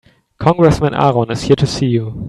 Congressman Aaron is here to see you.